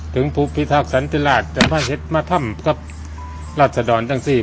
ถึงผู้พิทักษ์สันติราชจะพาเฮ็ดมาทำกับราษฎรจังสิ